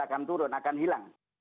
akan turun akan hilang